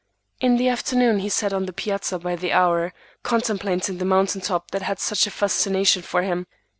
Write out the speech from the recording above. In the afternoon he sat on the piazza by the hour, contemplating the mountain top that had such a fascination for him.